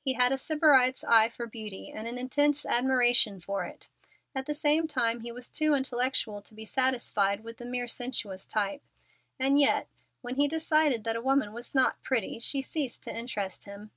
He had a sybarite's eye for beauty, and an intense admiration for it. At the same time he was too intellectual to be satisfied with the mere sensuous type. And yet, when he decided that a woman was not pretty, she ceased to interest him.